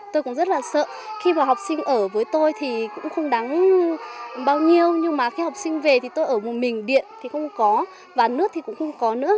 tôi cũng rất là sợ khi mà học sinh ở với tôi thì cũng không đáng bao nhiêu nhưng mà khi học sinh về thì tôi ở một mình điện thì không có và nước thì cũng không có nữa